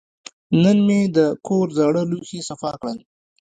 نن مې د کور زاړه لوښي صفا کړل.